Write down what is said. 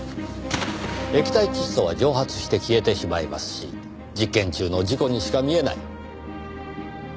液体窒素は蒸発して消えてしまいますし実験中の事故にしか見えない。